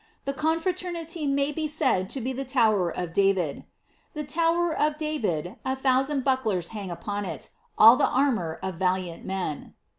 The confraternity may be eaid to be the tower of David : "The tower of David, a thousand bucklers hang upon it, all the armor of valiant men."